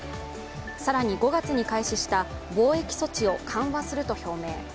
更に５月に開始した防疫措置を緩和すると表明。